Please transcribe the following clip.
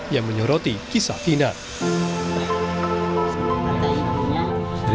yang menyoroti kisah final